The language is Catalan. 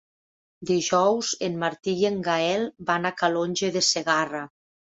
Dijous en Martí i en Gaël van a Calonge de Segarra.